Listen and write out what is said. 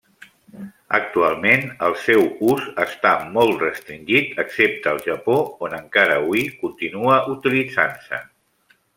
Actualment el seu ús està molt restringit, excepte al Japó, on encara hui continua utilitzant-se.